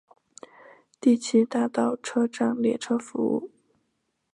第七大道车站列车服务。